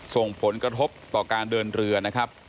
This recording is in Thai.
ส่งผลกระทบต่อการเดินเรือนะครับ